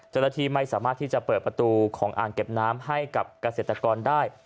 เจ้าหน้าที่ไม่สามารถที่จะเปิดประตูของอ่างเก็บน้ำให้กับเกษตรกรได้